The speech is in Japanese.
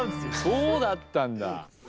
そうだったんだ！